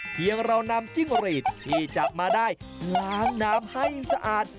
เพียงเรานำจิ้งหรีดที่จับมาได้ล้างน้ำให้สะอาด